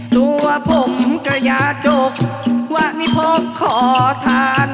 ตัวผมกระยะจวกว่าไม่พกขอทาน